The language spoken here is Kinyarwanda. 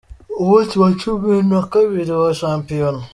Umunsi wa cumi nakabiri wa Shampiyona